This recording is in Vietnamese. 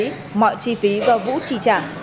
vũ sử dụng ma túy mọi chi phí do vũ trì trả